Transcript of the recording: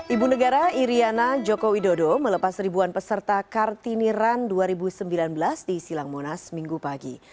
ibu negara iryana joko widodo melepas ribuan peserta kartini run dua ribu sembilan belas di silang monas minggu pagi